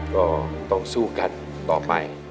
ก็ต้องสู้กันต่อไป